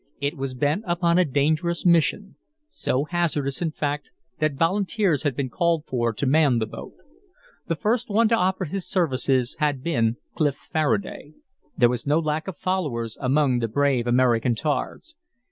It was bent upon a dangerous mission; so hazardous, in fact, that volunteers had been called for to man the boat. The first one to offer his services had been Clif Faraday. There was no lack of followers among the brave American tars.